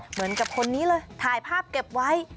เหมือนกับคนนี้เลยถ่ายภาพเก็บไว้